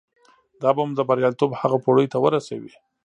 دا به مو د برياليتوب هغو پوړيو ته ورسوي.